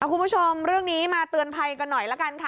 คุณผู้ชมเรื่องนี้มาเตือนภัยกันหน่อยละกันค่ะ